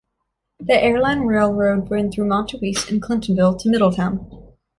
The Airline Railroad ran through Montowese and Clintonville to Middletown.